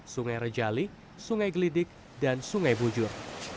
sungai rejali sungai gelidik dan sungai bujur